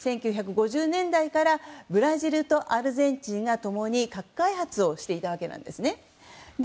１９５０年代からブラジルとアルゼンチンが共に核開発をしていたわけです。